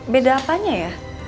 beda apanya ya